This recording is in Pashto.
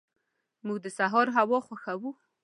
موږ د سهار هوا خوښو.